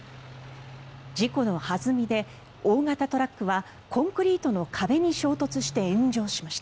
事故の弾みで大型トラックはコンクリートの壁に衝突して炎上しました。